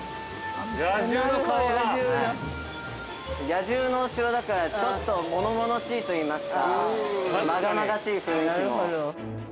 ◆野獣のお城だからちょっと物々しいといいますかまがまがしい雰囲気も。